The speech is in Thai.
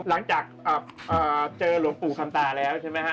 หลังจากเจอหลวงปู่คำตาแล้วใช่ไหมฮะ